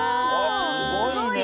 すごいね！